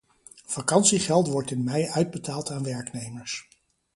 Vakantiegeld wordt in mei uitbetaald aan werknemers.